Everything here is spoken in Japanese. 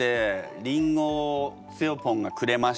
りんごをつよぽんがくれまして。